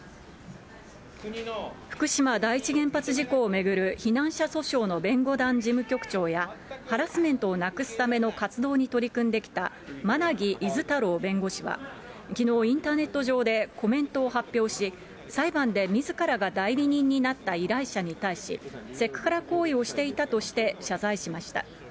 福島第一原発事故を巡る避難者訴訟の弁護団事務局長や、ハラスメントをなくすための活動に取り組んできた、馬奈木厳太郎弁護士は、きのうインターネット上でコメントを発表し、裁判でみずからが代理人になった依頼者に対し、セクハラ行為をしていたとして、謝罪しました。